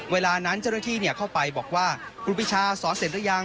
เวลานั้นเจ้าหน้าที่เข้าไปบอกว่าครูปีชาสอนเสร็จหรือยัง